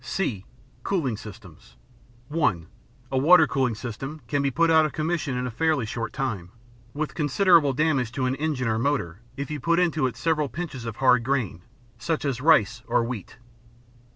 (c) Cooling Systems (1.) A water cooling system can be put out of commission in a fairly short time, with considerable damage to an engine or motor, if you put into it several pinches of hard grain, such as rice or wheat.